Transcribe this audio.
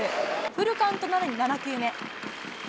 フルカウントとなり７球目。